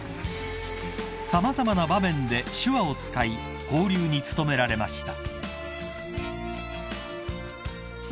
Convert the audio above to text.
［様々な場面で手話を使い交流に努められました］